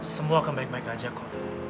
semua akan baik baik aja kok